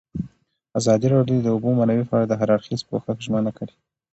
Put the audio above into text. ازادي راډیو د د اوبو منابع په اړه د هر اړخیز پوښښ ژمنه کړې.